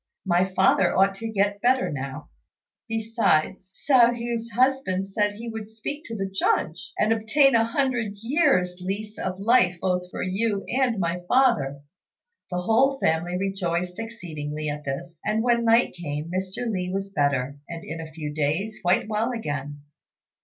My father ought to get better now. Besides, Hsiao hui's husband said he would speak to the Judge, and obtain a hundred years' lease of life both for you and my father." The whole family rejoiced exceedingly at this, and, when night came, Mr. Li was better, and in a few days quite well again.